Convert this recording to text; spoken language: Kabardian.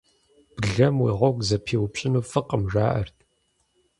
Блэм уи гъуэгу зэпиупщӀыну фӀыкъым, жаӀэрт.